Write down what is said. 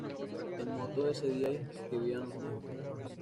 El motto de ese día es: Que vivan los Negros!